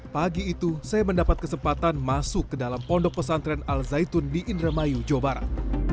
pagi itu saya mendapat kesempatan masuk ke dalam pondok pesantren al zaitun di indramayu jawa barat